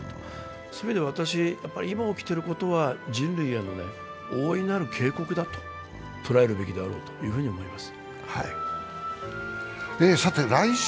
そういう意味で、今起きていることは人類への大いなる警告だととらえるべきだと思います。